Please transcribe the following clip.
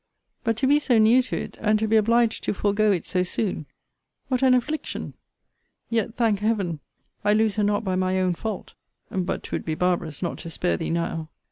But to be so new to it, and to be obliged to forego it so soon, what an affliction! Yet, thank Heaven, I lose her not by my own fault! But 'twould be barbarous not to spare thee now.